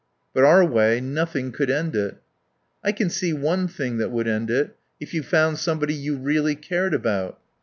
"... But our way nothing could end it." "I can see one thing that would end it. If you found somebody you really cared about."